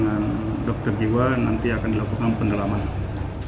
kapan rencana akan diperiksa secara kejiwaan